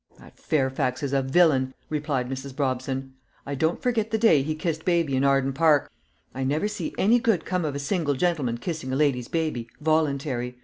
"That Fairfax is a villain," replied Mrs. Brobson. "I don't forget the day he kissed baby in Arden Park. I never see any good come of a single gentleman kissing a lady's baby, voluntary.